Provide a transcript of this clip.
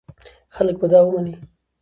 خلک به دا ومني.